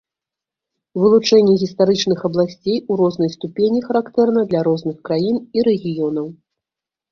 Вылучэнне гістарычных абласцей у рознай ступені характэрна для розных краін і рэгіёнаў.